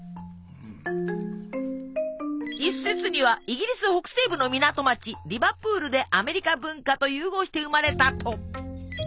一説にはイギリス北西部の港町リバプールでアメリカ文化と融合して生まれたと。